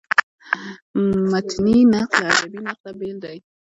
متني نقد له ادبي نقده بېل دﺉ.